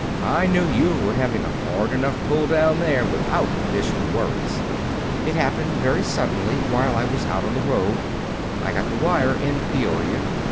I knew you were having a hard enough pull down there without additional worries. It happened very suddenly while I was out on the road. I got the wire in Peoria.